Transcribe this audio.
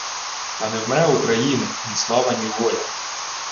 Та не вмре України ні слава ні воля